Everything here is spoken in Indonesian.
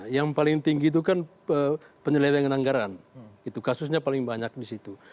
yang paling tinggi itu kan penyelewengan anggaran itu kasusnya paling banyak di situ